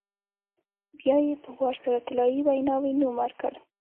بیا یې په وار سره طلایي ویناوی نوم ورکړ.